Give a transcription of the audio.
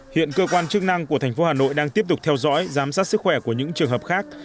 hiện cơ quan chức năng của thành phố hà nội đang tiếp tục theo dõi giám sát sức khỏe của những trường hợp khác